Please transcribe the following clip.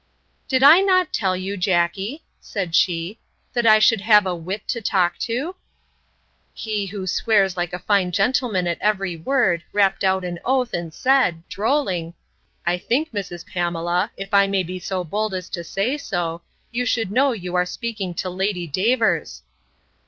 Did I not tell you, Jackey, said she, that I should have a wit to talk to?—He, who swears like a fine gentleman at every word, rapped out an oath, and said, drolling, I think, Mrs. Pamela, if I may be so bold as to say so, you should know you are speaking to Lady Davers!